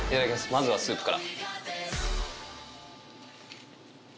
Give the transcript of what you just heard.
まずはスープから。